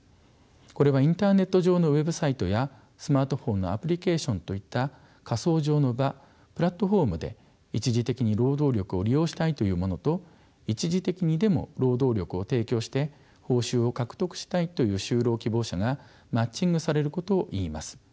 これはインターネット上のウェブサイトやスマートフォンのアプリケーションといった仮想上の場プラットフォームで一時的に労働力を利用したいという者と一時的にでも労働力を提供して報酬を獲得したいという就労希望者がマッチングされることをいいます。